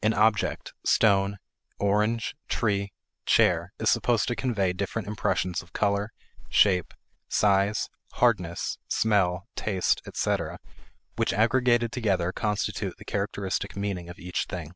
An object, stone, orange, tree, chair, is supposed to convey different impressions of color, shape, size, hardness, smell, taste, etc., which aggregated together constitute the characteristic meaning of each thing.